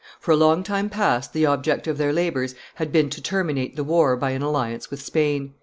for a long time past the object of their labors had been to terminate the war by an alliance with Spain.